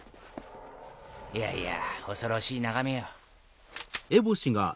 いやいや恐ろしい眺めよ。